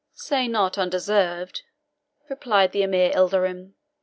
"Say not undeserved," replied the Emir Ilderim.